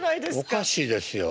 おかしいですよ。